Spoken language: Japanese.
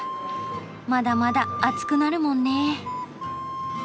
まだまだ暑くなるもんね。